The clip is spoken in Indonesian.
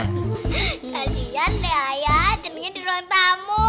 kasian deh ayah tebingin di ruang tamu